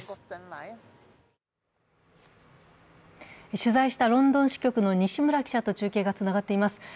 取材したロンドン支局の西村記者と中継がつながっています。